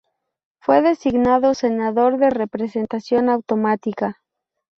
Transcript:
Fue designado Senador de representación autonómica.